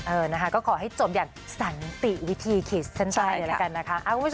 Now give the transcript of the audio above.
เออนะคะก็ขอให้จบอย่างสันติวิธีขีดเส้นใต้เลยละกันนะคะ